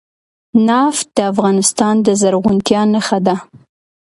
نفت د افغانستان د زرغونتیا نښه ده.